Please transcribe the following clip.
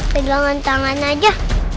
pedulangan tangan aja